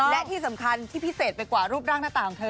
และที่สำคัญที่พิเศษไปกว่ารูปร่างหน้าตาของเธอ